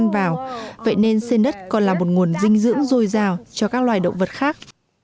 vậy nên sen đất còn là một nguồn dinh dưỡng dồi dào cho các loài động vật khác